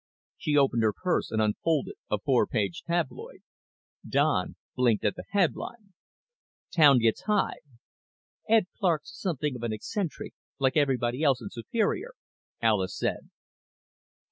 She opened her purse and unfolded a four page tabloid. Don blinked at the headline: TOWN GETS HIGH "Ed Clark's something of an eccentric, like everybody else in Superior," Alis said.